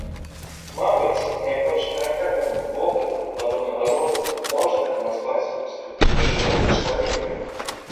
Мабыць, найбольш характэрным вопытам падобнага роду можна назваць ускрыццё жывога чалавека.